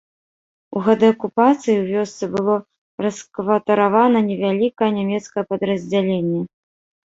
У гады акупацыі ў вёсцы было раскватаравана невялікае нямецкае падраздзяленне.